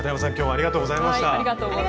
ありがとうございます。